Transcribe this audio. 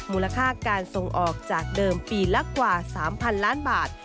มูลค่าการส่งออกจากเดิมปีละกว่า๓๐๐๐ล้านบาท